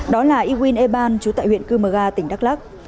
đó là ewin eban chú tại huyện cư mờ ga tỉnh đắk lắc